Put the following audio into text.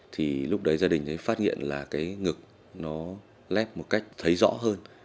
thì lúc đấy gia đình thấy phát hiện là cái ngực nó lép một cách thấy rõ hơn